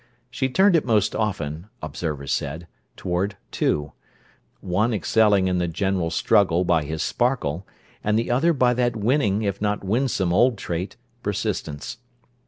She turned it most often, observers said, toward two: one excelling in the general struggle by his sparkle, and the other by that winning if not winsome old trait, persistence.